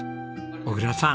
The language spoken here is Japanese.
小倉さん。